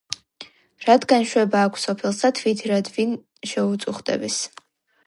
რათგან შვება აქვს სოფელსა, თვით რად ვინ შეუწუხდების?